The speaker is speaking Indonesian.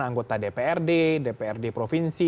anggota dprd dprd provinsi